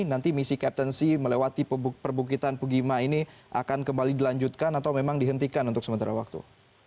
nanti misi captensi melewati perbukitan pugima ini akan kembali dilanjutkan atau memang dihentikan untuk sementara waktu